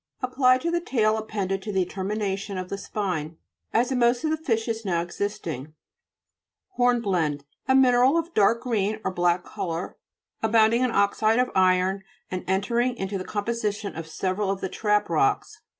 Applied to the tail appended to the termination of the spine, as in most of the fishes now existing (p. 49). HO'RJTBLEWDE A mineral of dark green or black colour, abounding in oxide of iron, and entering into the composition of several of the trap rocks.